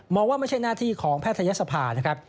ว่าไม่ใช่หน้าที่ของแพทยศภานะครับ